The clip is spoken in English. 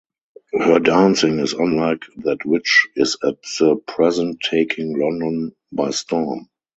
Her dancing is unlike that which is at the present taking London by storm.